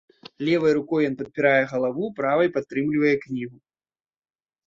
Левай рукой ён падпірае галаву, правай падтрымлівае кнігу.